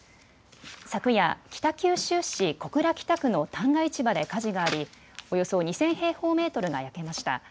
昨夜、北九州市小倉北区の旦過市場で火事がありおよそ２０００平方メートルが焼けました。